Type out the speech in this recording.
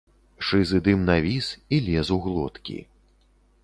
Шызы дым навіс і лез у глоткі.